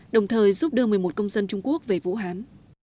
đồng thời giúp đưa một mươi một công dân trung quốc về vũ hán